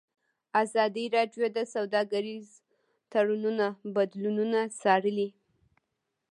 ازادي راډیو د سوداګریز تړونونه بدلونونه څارلي.